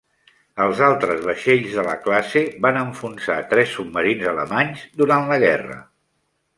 Els altres vaixells de la classe van enfonsar tres submarins alemanys durant la guerra.